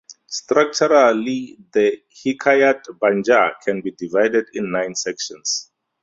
Structurally the Hikayat Banjar can be divided in nine sections.